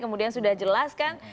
kemudian sudah jelas kan